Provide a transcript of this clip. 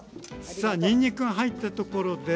さあにんにくが入ったところで？